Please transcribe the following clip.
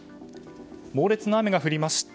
猛烈な雨が降りました